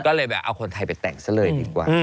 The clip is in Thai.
ก็เลยแบบเอาคนไทยไปแต่งซะเลยดีกว่า